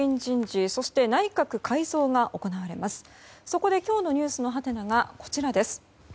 そこで今日のｎｅｗｓのハテナがこちらです。